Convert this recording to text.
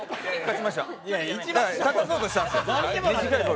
立たそうとしたんですよ。